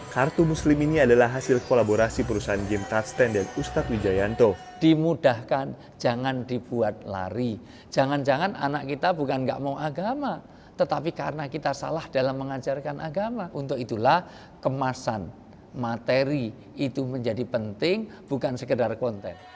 kartu muslim ini adalah hasil kolaborasi perusahaan game touchstand dengan ustadz wijayanto